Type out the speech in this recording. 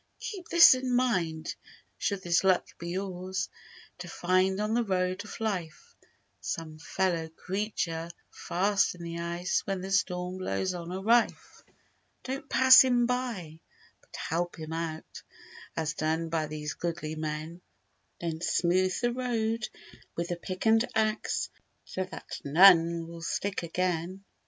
Keep this in mind: Should this luck be yours To find on the Road of Life Some fellow creature fast in the ice When the storm blows on a rife, Don't pass him by, but help him out— As done by these goodly men— Then smooth the road with the pick and axe So that none will stick again.